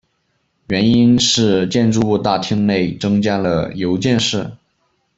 原因是建筑物大厅内增加了邮件室。